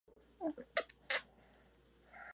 Los concursos son tremendos.